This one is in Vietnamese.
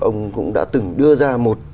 ông cũng đã từng đưa ra một